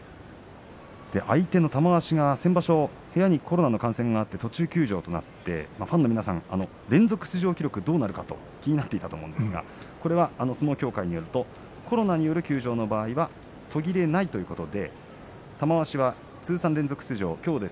相手の玉鷲が先場所部屋にコロナの感染もあって途中休場となってファンの皆さんは連続出場記録はどうなるかと気になっていたかと思いますが相撲協会によりますとコロナによる休場の場合は途切れないということで玉鷲の通算連続出場